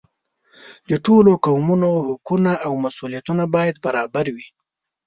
د ټولو قومونو حقونه او مسؤلیتونه باید برابر وي.